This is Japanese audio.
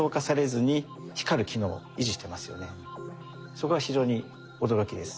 そこが非常に驚きです。